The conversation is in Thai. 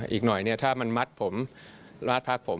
อีกหน่อยถ้ามันมัดผมลาดพักผม